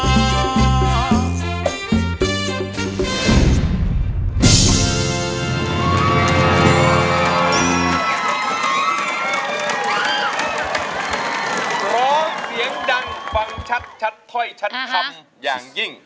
ร้องเสียงดังฟังชัดถ้อยชัดคำอย่างยิ่ง